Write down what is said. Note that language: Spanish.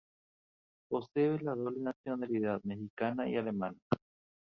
Posee la doble nacionalidad mexicana y alemana.